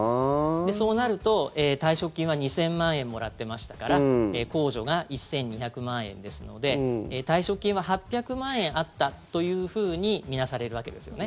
そうなると退職金は２０００万円もらってましたから控除が１２００万円ですので退職金は８００万円あったというふうに見なされるわけですよね。